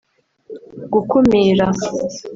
gukumira